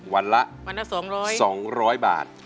วันละวันละสองร้อยสองร้อยบาท